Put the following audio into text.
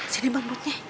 sini bang butnya